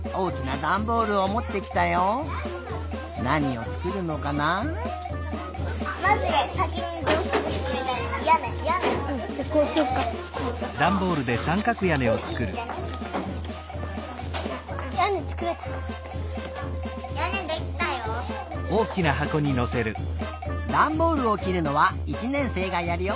ダンボールをきるのは１年生がやるよ。